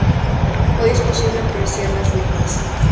Hoy es posible apreciar las ruinas.